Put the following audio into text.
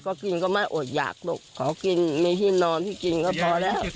ก็กินก็ไม่อดอยากลูกขอกินมีที่นอนที่กินก็พอแล้ว